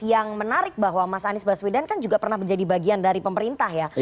yang menarik bahwa mas anies baswedan kan juga pernah menjadi bagian dari pemerintah ya